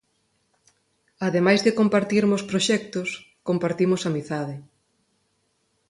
Ademais de compartirmos proxectos, compartimos amizade.